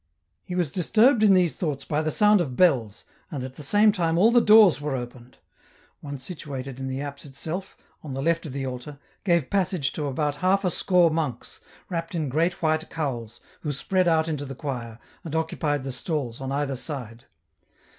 He was disturbed in these thoughts by the sound of bells, and at the same time all the doors were opened ; one situated in the apse itself, on the left of the altar, gave passage to about half a score monks, wrapped in great white cowls, who spread out into the choir, and occupied the stalls on either side.